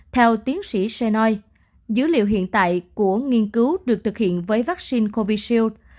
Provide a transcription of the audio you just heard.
theo tiến sĩ senoi dữ liệu hiện tại của nghiên cứu được thực hiện với vaccine covid